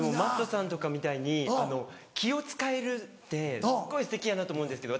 Ｍａｔｔさんとかみたいに気を使えるってすっごいすてきやなと思うんですけど